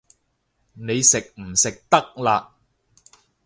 你食唔食得辣